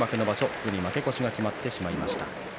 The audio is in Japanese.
すでに負け越しが決まってしまいました。